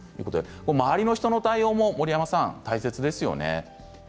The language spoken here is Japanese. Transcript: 周りの人の対応も大切ですよね。